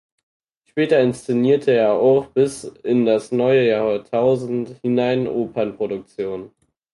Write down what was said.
Später inszenierte er auch bis in das neue Jahrtausend hinein Opernproduktionen.